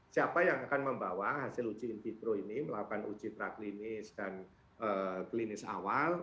siapa yang akan membawa hasil uji in vitro ini melakukan uji praklinis dan klinis awal